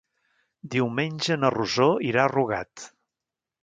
Diumenge na Rosó irà a Rugat.